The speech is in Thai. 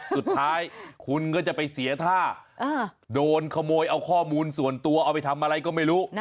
สุดท้ายคุณก็จะไปเสียท่าโดนขโมยเอาข้อมูลส่วนตัวเอาไปทำอะไรก็ไม่รู้